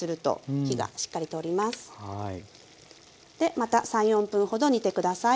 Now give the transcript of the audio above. でまた３４分ほど煮て下さい。